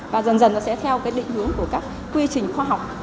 và dần dần sẽ theo định hướng của các quy trình khoa học